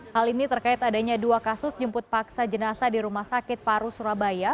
hal ini terkait adanya dua kasus jemput paksa jenazah di rumah sakit paru surabaya